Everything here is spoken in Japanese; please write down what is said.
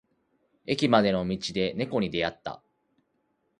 駅までの道で猫に出会った。